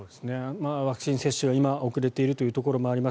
ワクチン接種が今、遅れているというところもあります。